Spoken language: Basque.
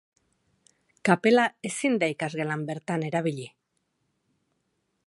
Kapela ezin da ikasgelan bertan erabili.